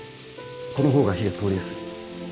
このほうが火が通りやすい。